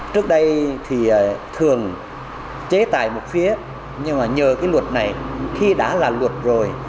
trước đây thì thường chế tài một phía nhưng mà nhờ cái luật này khi đã là luật rồi